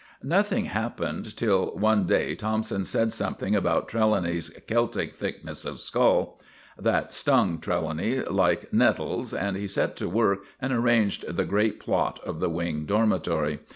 Nothing happened till one day Thompson said something about Trelawney's "Celtic thickness of skull." That stung Trelawny like nettles, and he set to work and arranged the great plot of the Wing Dormitory.